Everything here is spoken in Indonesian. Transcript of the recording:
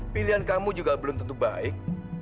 pilihan kamu juga belum tentu baik